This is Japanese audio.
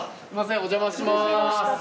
お邪魔します。